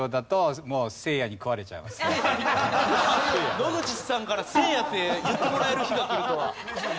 野口さんからせいやって言ってもらえる日が来るとは。